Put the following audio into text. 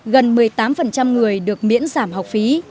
gần một mươi tám người được miễn giảm học phí